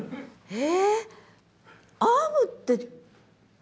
え。